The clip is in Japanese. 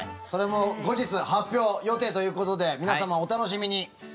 それも後日発表予定ということで、皆様お楽しみに。